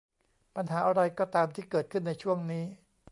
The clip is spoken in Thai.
ปัญหาอะไรก็ตามที่เกิดขึ้นในช่วงนี้